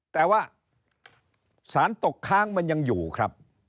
แต่ว่าสารตกค้างมันยังอยู่ครับ